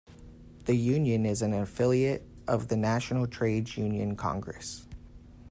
The union is an affiliate of the National Trades Union Congress.